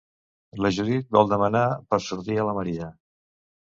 La Judit vol demanar per sortir a la Maria.